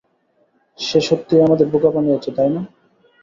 সে সত্যিই আমাদের বোকা বানিয়েছে, তাই না?